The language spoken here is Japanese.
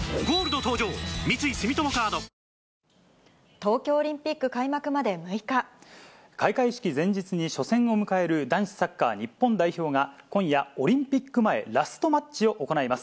東京オリンピック開幕まで６開会式前日に初戦を迎える男子サッカー日本代表が、今夜、オリンピック前ラストマッチを行います。